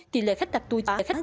tỷ lệ khách đặt tour tăng cao